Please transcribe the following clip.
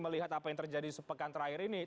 melihat apa yang terjadi sepekan terakhir ini